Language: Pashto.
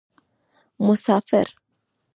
مسافر